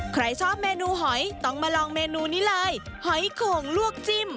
ใครชอบเมนูหอยต้องมาลองเมนูนี้เลยหอยโข่งลวกจิ้ม